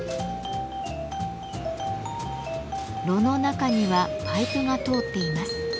炉の中にはパイプが通っています。